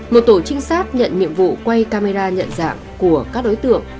một tổ trinh sát nhận nhiệm vụ quay camera nhận dạng của các đối tượng